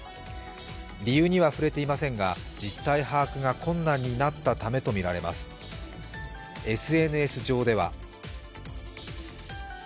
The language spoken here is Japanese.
理由には触れていませんが実態把握が困難になったためとみられます。